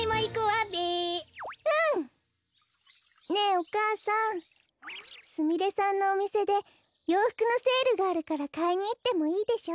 お母さんすみれさんのおみせでようふくのセールがあるからかいにいってもいいでしょ？